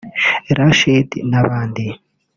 Rachid n’abandi